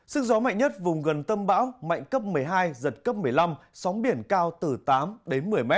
sức gió mạnh nhất vùng gần tâm bão mạnh cấp một mươi hai giật cấp một mươi năm sóng biển cao từ tám đến một mươi m